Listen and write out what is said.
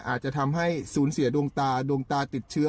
อาจจะทำให้สูญเสียดวงตาดวงตาติดเชื้อ